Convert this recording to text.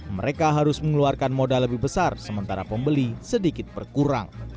mereka harus mengeluarkan modal lebih besar sementara pembeli sedikit berkurang